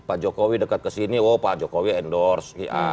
pak jokowi dekat ke sini pak jokowi endorse a